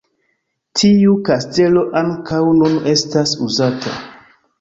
Tiu kastelo ankaŭ nun estas uzata.